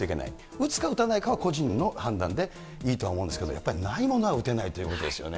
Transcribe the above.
打つか打たないかは個人の判断でいいとは思うんですけど、やっぱりないものは打てないということですよね。